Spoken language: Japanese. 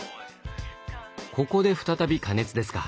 ここで再び加熱ですか。